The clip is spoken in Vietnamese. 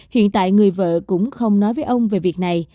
hiện tại người vợ cũng không nói với ông về việc này